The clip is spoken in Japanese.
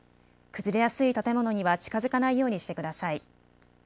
崩れやすい建物には近づかないようにしてください。